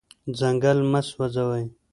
ځنګل مه سوځوئ.